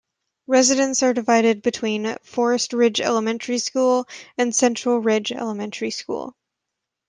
Residents are divided between Forest Ridge Elementary School and Central Ridge Elementary School.